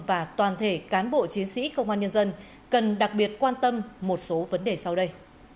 và toàn thể cán bộ chiến sĩ công an nhân dân cần đặc biệt quan tâm một số vấn đề sau đây